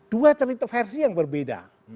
dua cerita versi yang berbeda